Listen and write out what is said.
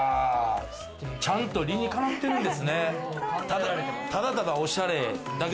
ちゃんと理にかなってるんですね。